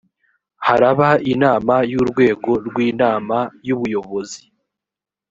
haraba inama y’ urwego rw ‘inama y ‘ubuyobozi .